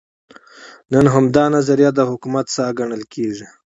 نن همدا نظریه د حکومت ساه ګڼل کېږي.